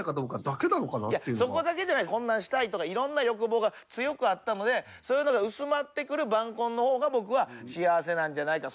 こんなのしたいとかいろんな欲望が強くあったのでそういうのが薄まってくる晩婚の方が僕は幸せなんじゃないか。